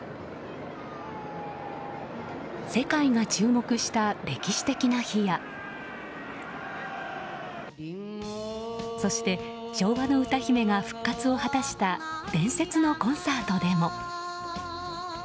世界が注目した歴史的な日やそして昭和の歌姫が復活を果たした伝説のコンサートでも。